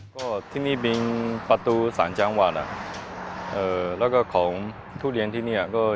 pembangunan durian ekspor